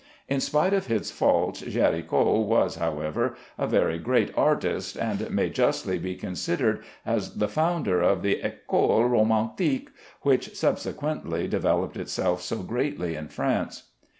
In spite of his faults, Géricault was, however, a very great artist, and may justly be considered as the founder of the école romantique, which subsequently developed itself so greatly in France.